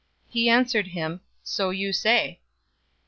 He answered him, "So you say."